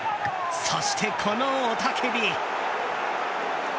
そして、この雄叫び。